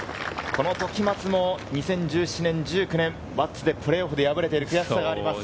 この時松も２０１７年、１９年、輪厚でプレーオフで敗れている悔しさがあります。